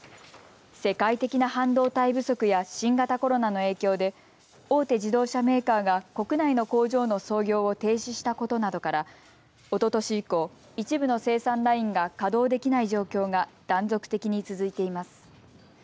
世界的な半導体不足や新型コロナの影響で大手自動車メーカーが国内の工場の操業を停止したことなどからおととし以降、一部の生産ラインが稼働できない状況が断続的に続いています。